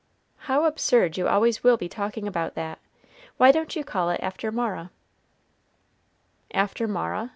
"How absurd you always will be talking about that why don't you call it after Mara?" "After Mara?"